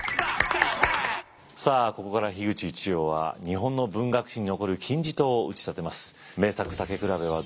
さあここから口一葉は日本の文学史に残る金字塔を打ち立てます。